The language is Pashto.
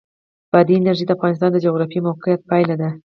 بادي انرژي د افغانستان د جغرافیایي موقیعت پایله ده.